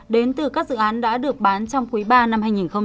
đến từ các dự án đã được bán trong quý ba năm hai nghìn một mươi tám